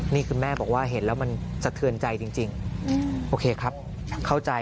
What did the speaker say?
นี่คุณแม่บอกว่าเห็นแล้วมันสะเทือนใจจริงโอเคครับเข้าใจ